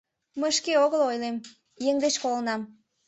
Мый шке огыл ойлем, еҥ деч колынам.